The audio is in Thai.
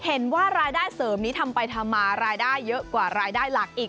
เห็นว่ารายได้เสริมนี้ทำไปทำมารายได้เยอะกว่ารายได้หลักอีก